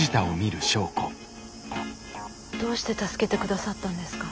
どうして助けて下さったんですか？